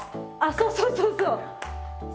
そうそうそうそう。